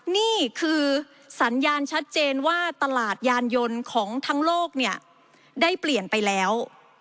นี่คือสัญญาณชัดเจนว่าตลาดยานยนต์ของทั้งโลกเนี่ยได้เปลี่ยนไปแล้ว